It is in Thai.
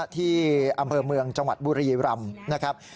ที่อำเภอเมืองจังหวัดบุรีรำนะครับ